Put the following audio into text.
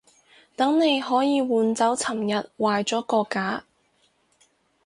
等你可以換走尋日壞咗嗰架